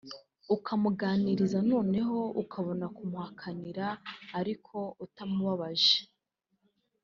ukamuganiriza noneho ukabona kumuhakanira ariko utamubabaje